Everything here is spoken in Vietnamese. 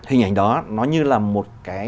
hình ảnh đó nó như là một cái